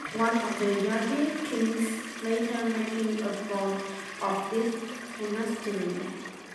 One of the Zagwe kings later made him abbot of this monastery.